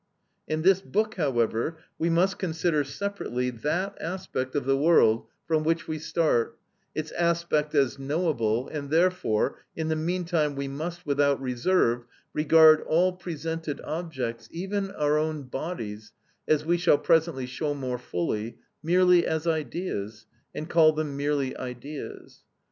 In this book, however, we must consider separately that aspect of the world from which we start, its aspect as knowable, and therefore, in the meantime, we must, without reserve, regard all presented objects, even our own bodies (as we shall presently show more fully), merely as ideas, and call them merely ideas.